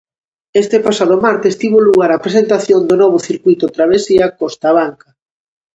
Este pasado martes tivo lugar a presentación do novo circuíto travesía Costa Abanca.